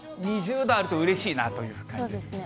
２０度あるとうれしいなという感じですね。